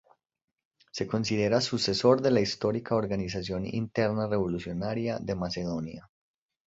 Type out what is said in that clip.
Se considera sucesor de la histórica Organización Interna Revolucionaria de Macedonia.